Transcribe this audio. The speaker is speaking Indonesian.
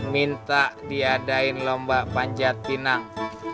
minta tiadain lomba panjat pinang